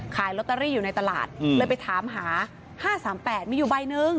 ขายลอตเตอรี่อยู่ในตลาดเลยไปถามหา๕๓๘มีอยู่ใบหนึ่ง